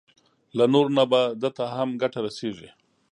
له نورو نه به ده ته هم ګټه رسېږي.